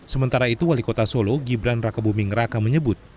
sementara itu wali kota solo gibran raka buming raka menyebut